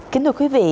kính thưa quý vị